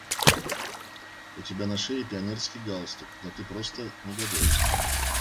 У тебя на шее пионерский галстук, но ты просто… негодяй.